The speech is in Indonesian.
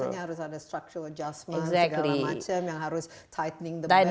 biasanya harus ada structural adjustment segala macam yang harus tightening the belt